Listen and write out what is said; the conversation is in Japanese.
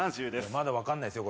まだわかんないですよ